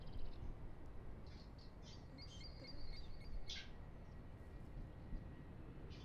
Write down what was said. Kinajjukirwa bulungi nti ettaka lya kyapa.